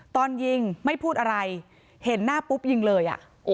ตอนยิงไม่พูดอะไรเห็นหน้าปุ๊บยิงเลย